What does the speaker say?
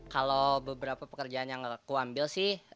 kalau beberapa pekerjaan yang aku ambil sih